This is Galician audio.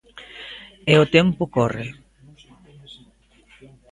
E o tempo corre.